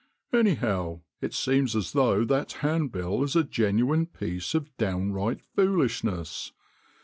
Anyhow, it seems as though that handbill is a genuine piece of downright foolishness.